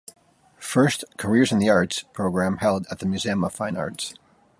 First "Careers in the Arts" program held at the Museum of Fine Arts.